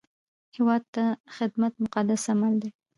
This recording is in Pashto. هیواد ته خدمت مقدس عمل دی